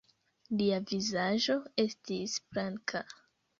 Lia vizaĝo estis blanka.